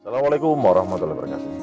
assalamualaikum warahmatullahi wabarakatuh